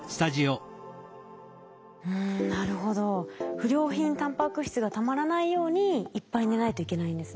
不良品タンパク質がたまらないようにいっぱい寝ないといけないんですね。